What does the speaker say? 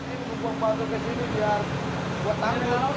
ini buang batu ke sini biar buat tanggul